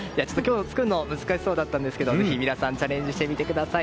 作るのは難しそうですがぜひ皆さんチャレンジしてみてください。